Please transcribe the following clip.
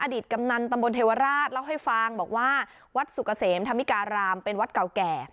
ตกำนันตำบลเทวราชเล่าให้ฟังบอกว่าวัดสุกเกษมธรรมิการามเป็นวัดเก่าแก่